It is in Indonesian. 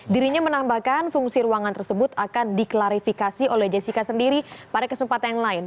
dirinya menambahkan fungsi ruangan tersebut akan diklarifikasi oleh jessica sendiri pada kesempatan lain